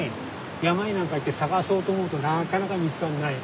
山になんか行って探そうと思うとなかなか見つからない。